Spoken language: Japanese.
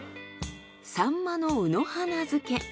サンマの卯の花漬け。